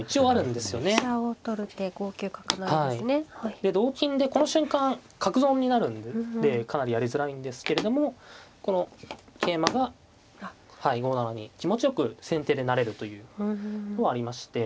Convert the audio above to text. で同金でこの瞬間角損になるんでかなりやりづらいんですけれどもこの桂馬がはい５七に気持ちよく先手で成れるというのはありまして。